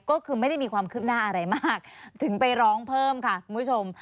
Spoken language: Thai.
ก็คือไม่ได้มีความคืบหน้าอะไรมากถึงไปร้องเพิ่มค่ะคุณผู้ชม